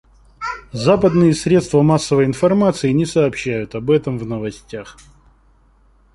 Западные средства массовой информации не сообщают об этом в новостях.